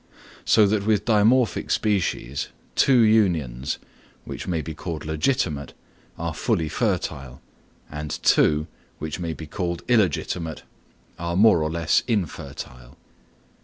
So that with dimorphic species two unions, which may be called legitimate, are fully fertile; and two, which may be called illegitimate, are more or less infertile.